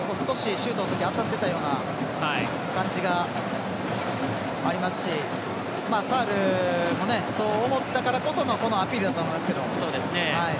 シュートのときに当たっていたような感じがありますしサールもそう思ったからこそのこのアピールだと思いますけど。